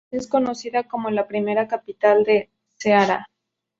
Es conocida como la "primera capital de Ceará.